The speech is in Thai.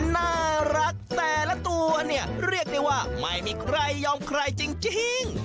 น่ารักแต่ละตัวเนี่ยเรียกได้ว่าไม่มีใครยอมใครจริง